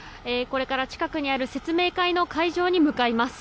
これから、近くにある説明会の会場に向かいます。